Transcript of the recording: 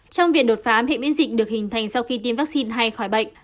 trong việc đột phá miễn biến dịch được hình thành sau khi tiêm vaccine hay khỏi bệnh